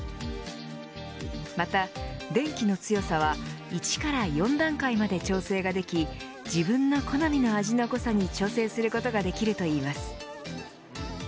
また、電気の強さは１から４段階まで調整ができ自分の好みの味の濃さに調整することができるといいます。